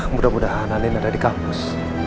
mudah mudahan alin ada di kampus